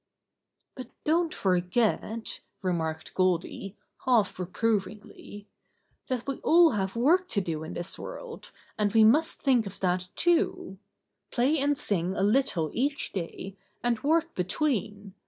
"But don't forget," remarked Goldy, half reprovingly, "that we all have work to do in this world, and we must think of that too. 12 Bobby Gray Squirrel's Adventures Play and sing a little each day, and work be tween.